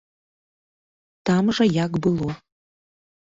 Там жа як было.